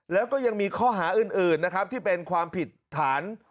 แล้วก็ยังมีข้อหาอื่นนะครับที่เป็นความผิดฐาน